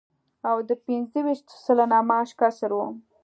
او د پنځه ویشت سلنه معاش کسر و